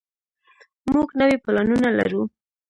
موږ نوي پلانونه لرو.